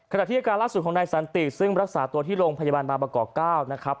ที่อาการล่าสุดของนายสันติซึ่งรักษาตัวที่โรงพยาบาลบางประกอบ๙นะครับ